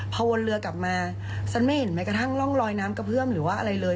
พอวนเรือกลับมาฉันไม่เห็นแม้กระทั่งร่องลอยน้ำกระเพื่อมหรือว่าอะไรเลย